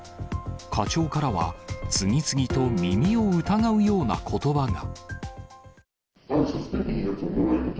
課長からは、次々と耳を疑うようなことばが。